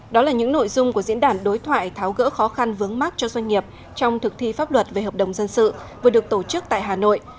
đó là những nội dung của diễn đàn đối thoại tháo gỡ khó khăn vướng mắt cho doanh nghiệp trong thực thi pháp luật về hợp đồng dân sự vừa được tổ chức tại hà nội